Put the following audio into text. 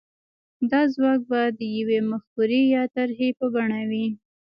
دا ځواک به د يوې مفکورې يا طرحې په بڼه وي.